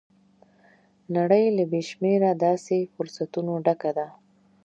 نړۍ له بې شمېره داسې فرصتونو ډکه ده.